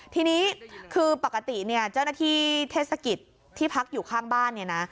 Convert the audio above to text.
ทีนี้คือปกติเนี่ยเจ้าหน้าที่เทศกิจที่พักอยู่ข้างบ้านเนี่ยนะ